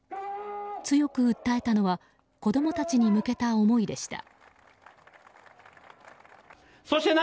強く訴えたのは子供たちに向けた思いでした。